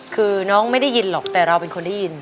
คือน้องไม่ได้ยินหรอกแต่เราเป็นคนได้ยิน